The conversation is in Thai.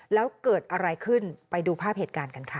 แล้วเกิดอะไรขึ้นไปดูภาพเหตุการณ์กันค่ะ